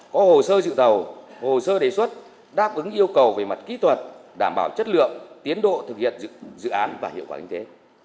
có hồ sơ dự thầu hồ sơ đề xuất đáp ứng yêu cầu về mặt kỹ thuật đảm bảo chất lượng tiến độ thực hiện dự án và hiệu quả kinh tế